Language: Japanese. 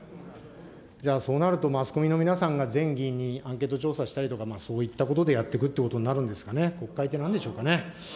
じゃあそうなるとマスコミの皆さんが、全議員にアンケート調査したりとか、そういったことでやっていくということになるんですかね、国会ってなんでしょうかね。